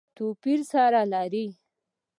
توپیر سره لري.